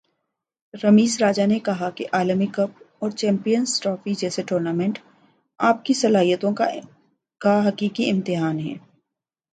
رمیز راجہ نے کہا کہ عالمی کپ اور چیمپئنز ٹرافی جیسے ٹورنامنٹ آپ کی صلاحیتوں کا حقیقی امتحان ہیں